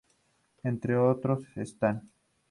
Entre otros estánː